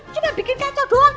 cuma bikin kecoh doang